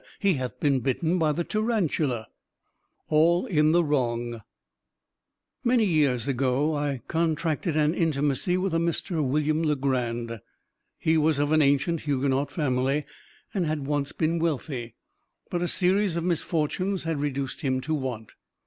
He hath been bitten by the Tarantula. All in the Wrong Many years ago, I contracted an intimacy with a Mr. William Legrand. He was of an ancient Huguenot family, and had once been wealthy; but a series of misfortunes had reduced him to want.